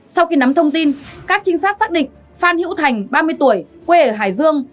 sau khi nắm thông tin các trinh sát xác định phan hữu thành ba mươi tuổi quê ở hải dương